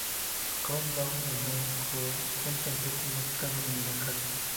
Countdown de Mnet, junto al grupo musical femenino Kara.